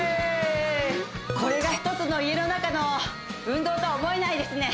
これが一つの家の中の運動とは思えないですね